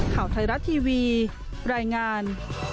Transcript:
ข่าวไทยรัฐทีวีรายงาน